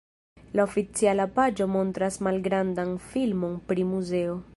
La oficiala paĝo montras malgrandan filmon pri muzeo.